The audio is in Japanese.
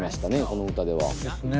この歌では。